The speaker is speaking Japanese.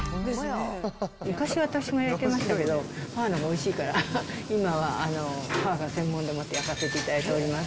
昔は私も焼いてましたけど、母のほうがおいしいから、今は母が専門で焼かせていただいております。